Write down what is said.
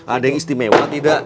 ada yang istimewa tidak